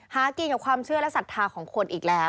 หากินกับความเชื่อและศรัทธาของคนอีกแล้ว